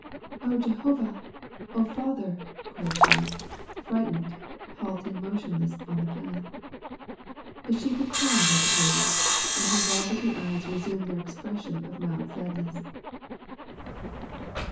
"O Jehovah! O Father!" cried she, frightened, halting motionless on the path. But she grew calm by degrees, and her velvety eyes resumed their expression of mild sadness.